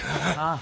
あ。